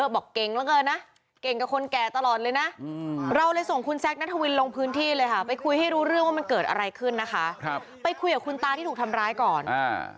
ไปลงพื้นที่เลยค่ะไปคุยให้รู้เรื่องว่ามันเกิดอะไรขึ้นนะคะครับไปคุยกับคุณตาที่ถูกทำร้ายก่อนอ่า